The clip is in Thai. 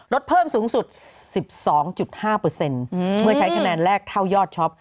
ลดเพิ่มสูงสุด๑๒๕เมื่อใช้คะแนนแรกเท่ายอดช็อป